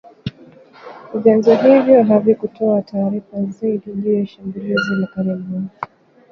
Vyanzo hivyo havikutoa taarifa zaidi juu ya shambulizi la karibuni